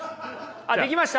あっできました？